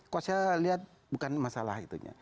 kalau saya lihat bukan masalah itunya